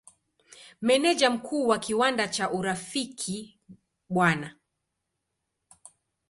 Meneja Mkuu wa kiwanda cha Urafiki Bw.